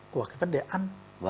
của cái vấn đề ăn